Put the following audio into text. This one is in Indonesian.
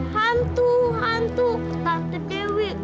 hantu hantu tante dewi